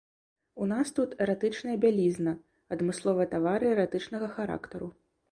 У нас тут эратычная бялізна, адмысловыя тавары эратычнага характару.